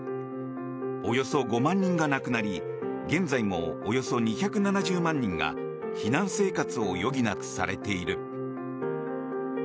およそ５万人が亡くなり現在も、およそ２７０万人が避難生活を余儀なくされている。